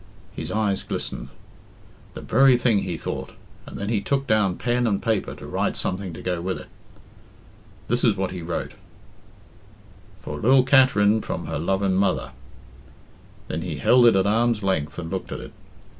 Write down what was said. His eyes glistened. "The very thing," he thought, and then he took down pen and paper to write something to go with it. This is what he wrote "For lil Katerin from her Luvin mother" Then he held it at arm's length and looked at it.